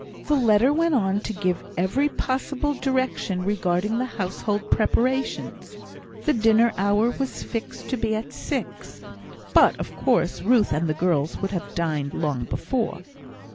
The letter went on to give every possible direction regarding the household preparations. The dinner hour was fixed to be at six; but, of course, Ruth and the girls would have dined long before.